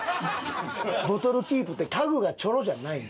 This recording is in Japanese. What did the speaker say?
ボトルキープってタグがちょろじゃないん？